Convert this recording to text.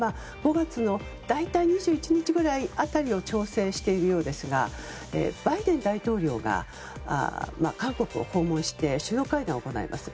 ５月の大体２１日ぐらい辺りを調整しているようですがバイデン大統領が韓国を訪問して首脳会談を行います。